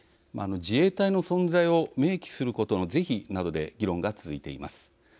自衛隊の存在を明記することの是非などで議論が続いています。